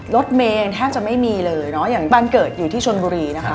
รถเมย์แทบจะไม่มีเลยอย่างบันเกิดอยู่ที่ชนบุรี